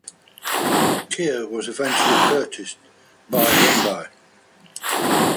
Kia was eventually purchased by Hyundai.